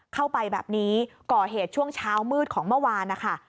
เข้าไปแบบนี้ก่อเหตุช่วงเช้ามืดของเมื่อวานนะคะ